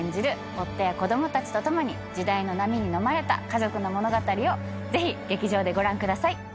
夫や子供たちと共に時代の波にのまれた家族の物語をぜひ劇場でご覧ください。